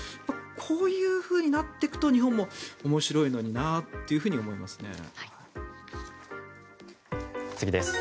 こういうふうになっていくと日本も面白いのになというふうに思いますね。